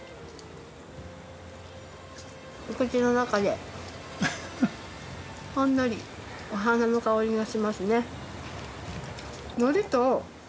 お口の中でほんのりお花の香りがしますね。